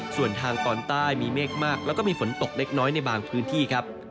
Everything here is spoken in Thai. ส่วนทางตอนใต้มีเมฆมากแล้วก็มีฝนตกเล็กน้อยในบางพื้นที่ครับ